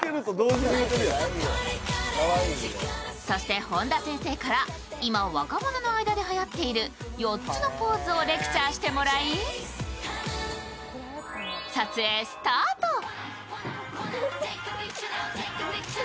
そして本田先生から今、若者の間ではやっている４つのポーズをレクチャーしてもらい撮影スタート。